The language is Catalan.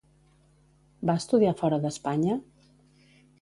Va estudiar fora d'Espanya?